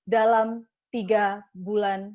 dalam tiga bulan